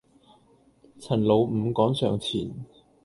陳老五趕上前，